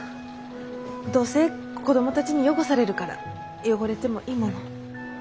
どうせ子供たちに汚されるから汚れてもいいものを。